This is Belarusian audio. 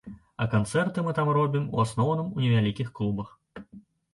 А канцэрты мы там робім у асноўным у невялікіх клубах.